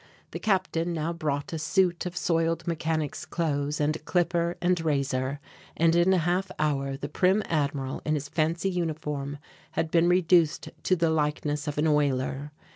The Captain now brought a suit of soiled mechanic's clothes and a clipper and razor, and in a half hour the prim Admiral in his fancy uniform had been reduced to the likeness of an oiler.